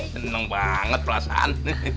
tenang banget perasaan